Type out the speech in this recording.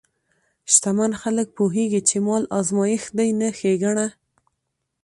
شتمن خلک پوهېږي چې مال ازمېښت دی، نه ښېګڼه.